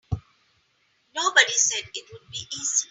Nobody said it would be easy.